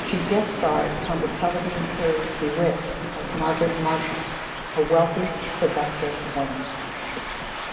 She guest-starred on the television series "Bewitched" as "Margaret Marshall," a wealthy seductive woman.